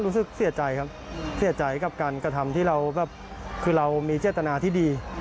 รู้สึกเสียใจครับเสียใจกับการกระทำที่เราแบบคือเรามีเจตนาที่ดี